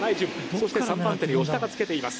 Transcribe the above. そして３番手に押田がつけています。